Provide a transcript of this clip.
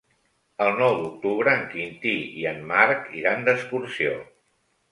El nou d'octubre en Quintí i en Marc iran d'excursió.